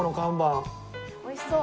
おいしそう。